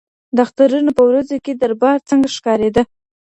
د اخترونو په ورځو کي دربار څنګه ښکارېده؟